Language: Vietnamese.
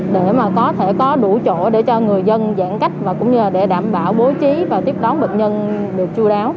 để mà có thể có đủ chỗ để cho người dân giãn cách và cũng như là để đảm bảo bố trí và tiếp đón bệnh nhân được chú đáo